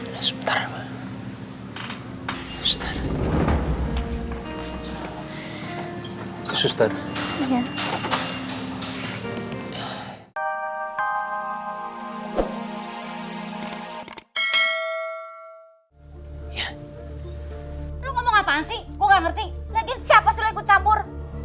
lagi siapa suruh aku campur